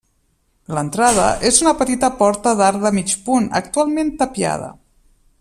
L'entrada és una petita porta d'arc de mig punt, actualment tapiada.